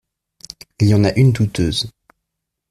Il y en a une douteuse.